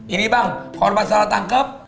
ini bang korban salah tangkep